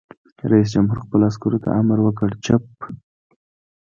رئیس جمهور خپلو عسکرو ته امر وکړ؛ چپ!